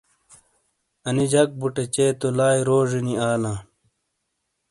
انی جک بُٹے چے تو لائی روجینی آلاں۔